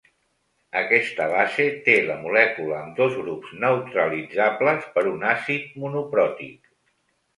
Aquesta base té la molècula amb dos grups neutralitzables per un àcid monopròtic.